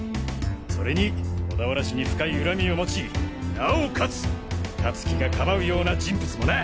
それに小田原氏に深い恨みを持ちなおかつ香月が庇うような人物もな。